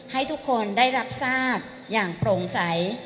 ให้ทุกคนได้รับทราบอย่างโปร่งใส